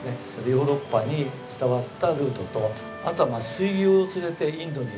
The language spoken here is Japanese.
ヨーロッパに伝わったルートとあとは水牛を連れてインドに行った。